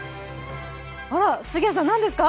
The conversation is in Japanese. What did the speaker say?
杉谷さん何ですか？